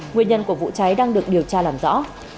nguyên nhân của vụ cháy đang được điều tra làm rõ